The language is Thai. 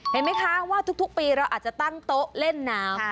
เห็นไหมคะว่าทุกปีเราอาจจะตั้งโต๊ะเล่นน้ำ